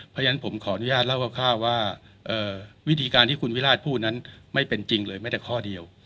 เพราะฉะนั้นผมขออนุญาตเล่าคร่าวว่าวิธีการที่คุณวิราชพูดนั้นไม่เป็นจริงเลยแม้แต่ข้อเดียว